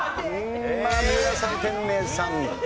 三浦さん天明さん